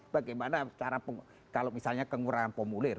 bagaimana kalau misalnya kekurangan formulir